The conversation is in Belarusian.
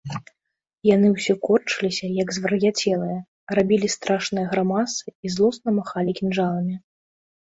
Яны ўсе корчыліся, як звар'яцелыя, рабілі страшныя грымасы і злосна махалі кінжаламі.